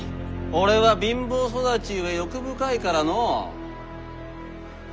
俺は貧乏育ちゆえ欲深いからのう。